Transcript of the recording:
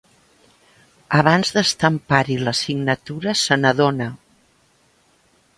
Abans d'estampar-hi la signatura se n'adona.